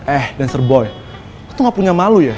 eh dancer boy